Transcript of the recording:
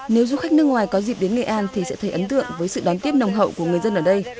nếu du khách nước ngoài có dịp đến nghệ an thì sẽ thấy ấn tượng với sự đón tiếp nồng hậu của người dân ở đây